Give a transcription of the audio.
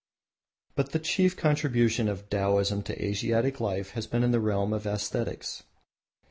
But the chief contribution of Taoism to Asiatic life has been in the realm of aesthetics.